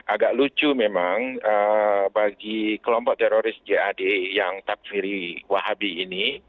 agak lucu memang bagi kelompok teroris jad yang takfiri wahabi ini